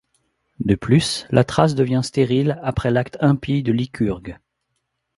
De plus, la Thrace devient stérile après l'acte impie de Lycurgue.